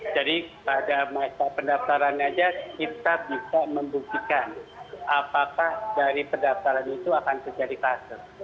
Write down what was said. jadi pada masa pendaftaran saja kita bisa membuktikan apakah dari pendaftaran itu akan terjadi klaster